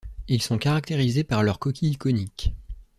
Ils sont caractérisés par leur coquille conique.